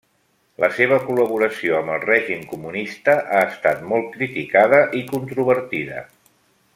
La seva col·laboració amb el règim comunista ha estat molt criticada i controvertida.